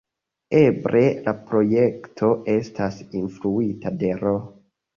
Eble la projekto estas influita de Ro.